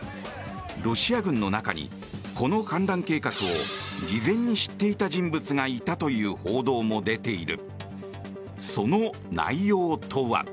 ロシア軍の中に、この反乱計画を事前に知っていた人物がいたという報道も出ている。